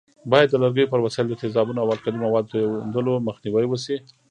باید د لرګیو پر وسایلو د تیزابونو او القلي موادو توېدلو مخنیوی وشي.